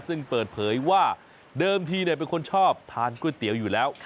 ซึ่งเปิดเผยว่าเดิมทีเป็นคนชอบทานก๋วยเตี๋ยวอยู่แล้ว